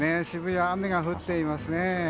渋谷、雨が降っていますね。